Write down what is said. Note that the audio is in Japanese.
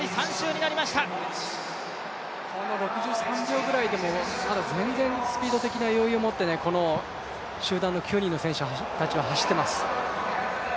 この６３秒ぐらいでもまだ全然スピード的な余裕を持って集団の９人は走ってます。